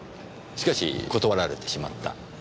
しかし断られてしまった。